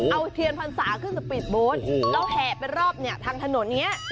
เอาเทียนพรรษาขึ้นสปีดโบสต์แล้วแห่ไปรอบทางถนนเนี้ย